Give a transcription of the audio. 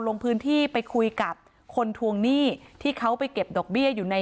ลงพื้นที่ไปคุยกับคนทวงหนี้ที่เขาไปเก็บดอกเบี้ยอยู่ใน